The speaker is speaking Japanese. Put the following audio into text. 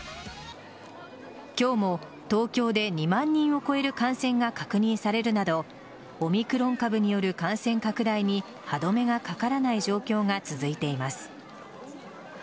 今日も東京で２万人を超える感染が確認されるなどオミクロン株による感染拡大に歯止めがかからない状況が続いています。